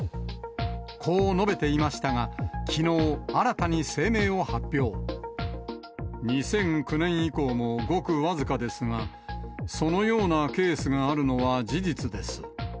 こう述べていましたが、きのう、２００９年以降もごく僅かですが、そのようなケースがあるのは事実です。